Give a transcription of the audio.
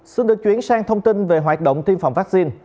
xin được chuyển sang thông tin về hoạt động tiêm phòng vaccine